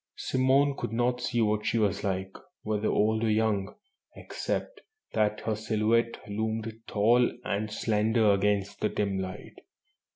Simone could not see what she was like, whether old or young, except that her silhouette loomed tall and slender against the dim light.